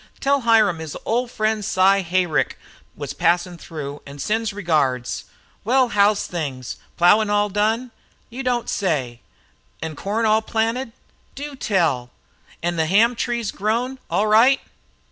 "Tell Hiram his ole friend Si Hayrick was passin' through an' sends regards. Wal, how's things? Ploughin' all done? You don't say! An' corn all planted? Do tell! An' the ham trees grown' all right?"